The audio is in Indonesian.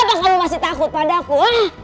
apakah kamu masih takut padaku